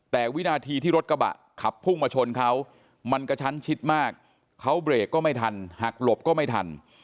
แต่วินาทีที่รถกระบะขับพุ่งมาชนเขามันกระชั้นชิดมากเขาเบรกก็ไม่ทันหักหลบก็ไม่ทัน